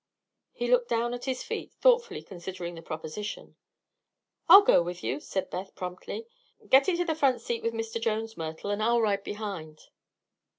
He looked down at his feet, thoughtfully considering the proposition. "I'll go with you," said Beth, promptly. "Get into the front seat with Mr. Jones, Myrtle, and I'll ride behind."